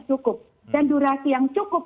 cukup dan durasi yang cukup